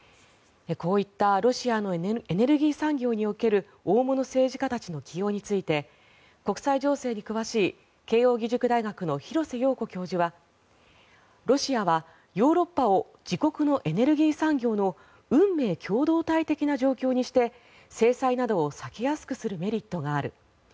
こういったロシアのエネルギー産業における大物政治家たちの起用について国際情勢に詳しい慶応義塾大学の廣瀬陽子教授はロシアはヨーロッパを自国のエネルギー産業の運命共同体的な状況にして制裁などを避けやすくするメリットがある。